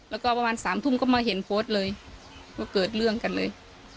แล้วก็ประมาณสามทุ่มก็มาเห็นโพสต์เลยว่าเกิดเรื่องกันเลย